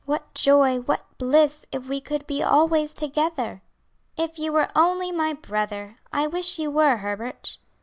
What joy, what bliss, if we could be always together!" "If you were only my brother! I wish you were, Herbert."